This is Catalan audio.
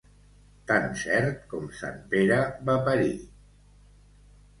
Tan cert com sant Pere va parir.